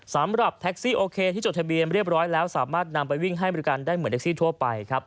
สำหรับแท็กซี่โอเคที่จดทะเบียนเรียบร้อยแล้วสามารถนำไปวิ่งให้บริการได้เหมือนแท็กซี่ทั่วไปครับ